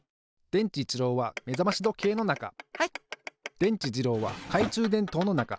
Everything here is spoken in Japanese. でんちじろうはかいちゅうでんとうのなか。